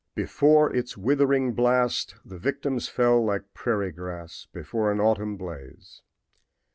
Before its withering blast the victims fell like prairie grass before an autumn blaze.